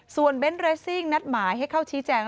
ส่วนเบนท์เรสซิ่งนัดหมายให้เข้าชี้แจง